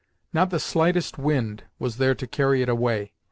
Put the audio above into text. Not the slightest wind was there to carry it away.